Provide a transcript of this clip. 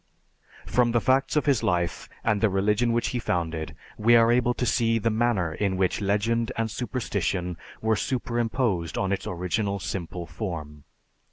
From the facts of his life and the religion which he founded we are able to see the manner in which legend and superstition were superimposed on its original simple form.